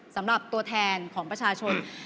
สำหรับตัวแทนของประชาชน